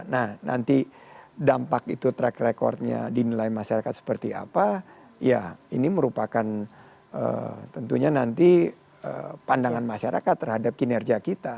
nah nanti dampak itu track recordnya dinilai masyarakat seperti apa ya ini merupakan tentunya nanti pandangan masyarakat terhadap kinerja kita